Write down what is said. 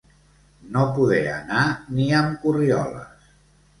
No poder anar ni amb corrioles.